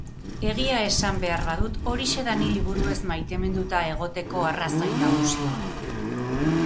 Egia esan behar badut, horixe da ni liburuez maiteminduta egoteko arrazoi nagusia.